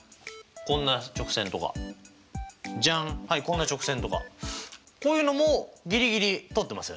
こんな直線とかジャンこんな直線とかこういうのもギリギリ通ってますよね。